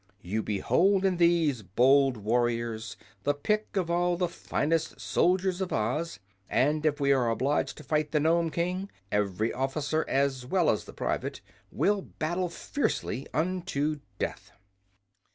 You behold in these bold warriors the pick of all the finest soldiers of Oz; and, if we are obliged to fight the Nome King, every officer as well as the private, will battle fiercely unto death."